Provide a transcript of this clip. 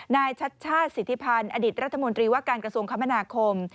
นายชัชชาสศิษภัณฑ์อดีตรัฐมนตรีว่าการกระทรวงคมนาคม